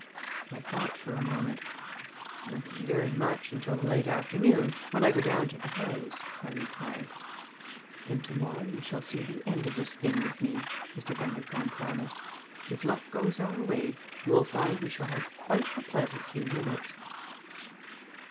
I thought for a moment. "Nothing very much until the late afternoon, when I go down to the House," I replied. "Then to morrow you shall see the end of this thing with me," Mr. Bundercombe promised. "If luck goes our way you will find we shall have quite a pleasant few minutes."